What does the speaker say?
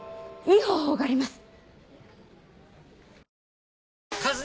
いい方法があります。